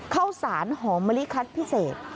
ข้าวสารหอมมะลิคัดพิเศษ